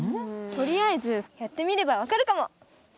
とりあえずやってみればわかるかも。